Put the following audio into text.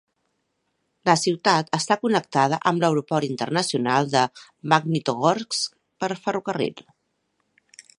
La ciutat està connectada amb l'Aeroport Internacional de Magnitogorsk per ferrocarril.